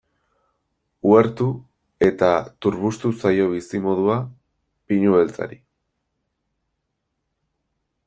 Uhertu eta turbustu zaio bizimodua pinu beltzari.